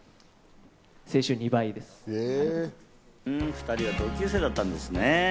２人は同級生だったんですね。